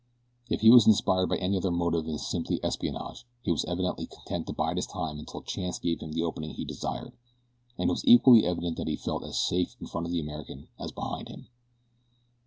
If he was inspired by any other motive than simple espionage he was evidently content to bide his time until chance gave him the opening he desired, and it was equally evident that he felt as safe in front of the American as behind him.